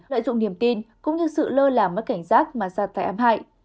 lợi dụng niềm tin cũng như sự lơ là mất cảnh giác mà ra tài ám hại